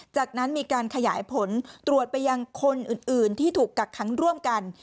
จากนั้นมีการขยายผลตรวจไปยังคนอื่นที่ถูกกักขังร่วมกัน